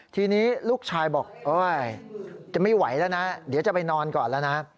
ทีนี้ลูกชายบอกจะไม่ไหวแล้วนะเดี๋ยวจะไปนอนก่อนแล้วนะ